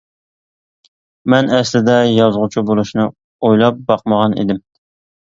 مەن ئەسلىدە يازغۇچى بولۇشنى ئويلاپ باقمىغان ئىدىم.